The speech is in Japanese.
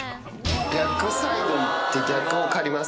逆サイド行って、逆を刈ります。